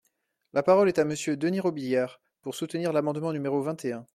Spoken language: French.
La parole est à Monsieur Denys Robiliard, pour soutenir l’amendement numéro vingt et un.